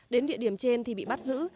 đến địa điểm trên thì bị bắt giữ